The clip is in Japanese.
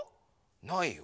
ないよ。